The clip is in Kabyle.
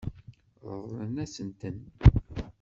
Ṛeḍlent-asent-ten.